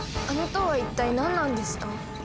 あの塔は一体何なんですか？